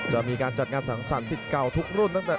จะมีการจัดงานสังสารสิทธิ์เก่าทุกรุ่น